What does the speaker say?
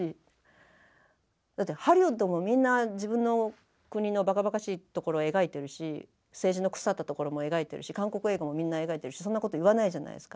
だってハリウッドもみんな自分の国のばかばかしいところを描いてるし政治の腐ったところも描いてるし韓国映画もみんな描いてるしそんなこと言わないじゃないですか。